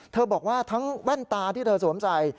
บอกว่าทั้งแว่นตาที่เธอสวมใส่